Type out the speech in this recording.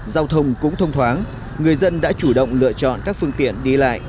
giao thông cũng thông thoáng người dân đã chủ động lựa chọn các phương tiện đi lại